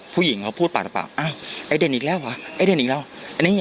ผู้หญิงเขาพูดปากปากปากอ้าวไอ้เด่นอีกแล้วหวะไอ้เด่นอีกแล้วไอ้นี่